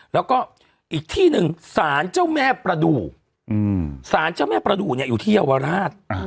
แล้วก็อีกที่หนึ่งสารเจ้าแม่ประดูกสารเจ้าแม่ประดูกเนี่ยอยู่ที่เยาวราช